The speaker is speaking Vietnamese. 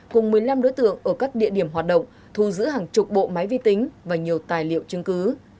cùng một mươi năm đối tượng ở các địa điểm hoạt động thu giữ hàng chục bộ máy vi tính và nhiều tài liệu chứng cứ